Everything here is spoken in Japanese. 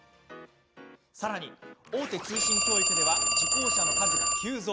さらに、大手通信教育では受講者の数が急増。